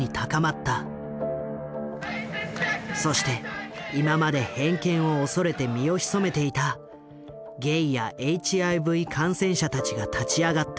そして今まで偏見を恐れて身を潜めていたゲイやＨＩＶ感染者たちが立ち上がった。